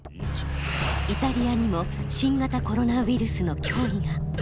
イタリアにも新型コロナウイルスの脅威が。